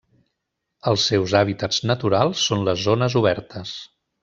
Els seus hàbitats naturals són les zones obertes.